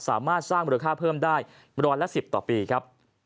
สามารถสร้างมูลค่าเพิ่มได้ร้อยละ๑๐ต่อปีครับ